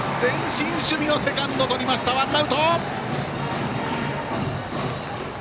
前進守備のセカンドとってワンアウト！